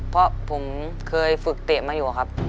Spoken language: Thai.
เพราะผมเคยฝึกเตะมาอยู่ครับ